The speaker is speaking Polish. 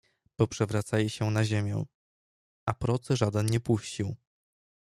Poprzewracali się na ziemię, a procy żaden nie puścił.